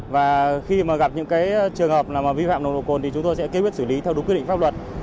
và khi mà gặp những trường hợp vi phạm nồng độ cồn thì chúng tôi sẽ kế quyết xử lý theo đúng quy định pháp luật